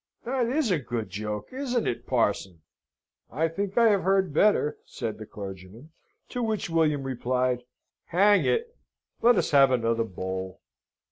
That is a good joke. Isn't it, Parson?" "I think I have heard better," said the clergyman; to which William replied, "Hang it, let us have another bowl."